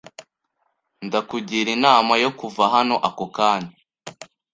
Ndakugira inama yo kuva hano ako kanya.